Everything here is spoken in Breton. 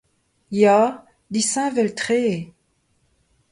Ya, disheñvel-tre eo.